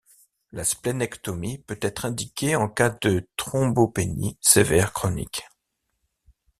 La splénectomie peut être indiquée en cas de thrombopénie sévère chronique.